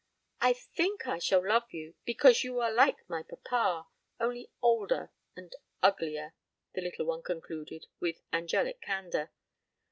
"I think I shall love you, because you are like my papa, only older and uglier," the little one concluded, with angelic candour.